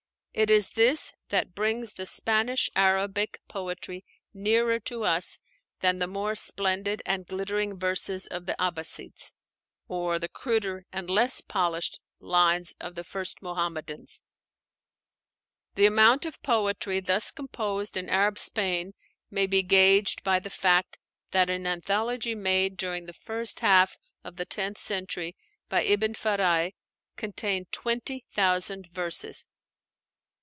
It is this that brings the Spanish Arabic poetry nearer to us than the more splendid and glittering verses of the Abbassides, or the cruder and less polished lines of the first Muhammadans. The amount of poetry thus composed in Arab Spain may be gauged by the fact that an anthology made during the first half of the tenth century, by Ibn Fáraj, contained twenty thousand verses.